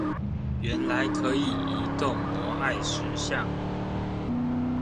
原來可以移動摩艾石像